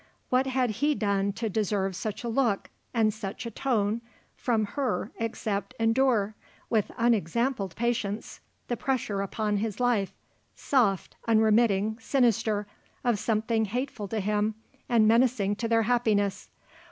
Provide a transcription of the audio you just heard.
What had he done to deserve such a look and such a tone from her except endure, with unexampled patience, the pressure upon his life, soft, unremitting, sinister, of something hateful to him and menacing to their happiness?